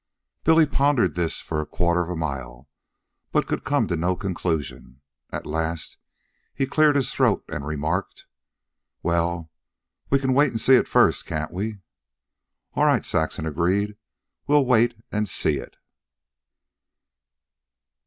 Billy pondered this for a quarter of a mile, but could come to no conclusion. At last he cleared his throat and remarked: "Well, we can wait till we see it first, can't we?" "All right," Saxon agreed. "We'll wait till we see it."